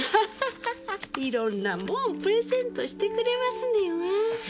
いろんなもんプレゼントしてくれますねんな。